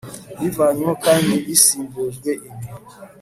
bivanyweho kandi bisimbujwe ibi